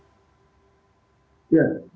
untuk jumlahnya saya tidak bisa menyebutkan detail